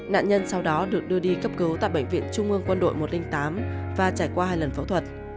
nạn nhân sau đó được đưa đi cấp cứu tại bệnh viện trung ương quân đội một trăm linh tám và trải qua hai lần phẫu thuật